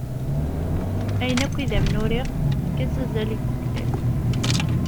Ayen akk i d am-n-uriɣ efk-as azal i yuklal.